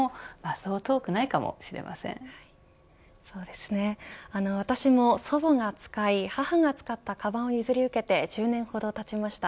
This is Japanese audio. そうですね、私も祖母が使い母が使ったかばんを譲り受けて１０年ほど経ちました。